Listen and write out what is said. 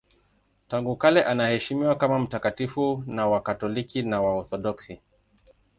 Tangu kale anaheshimiwa kama mtakatifu na Wakatoliki na Waorthodoksi.